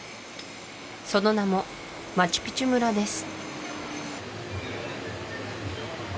その名もマチュピチュ村です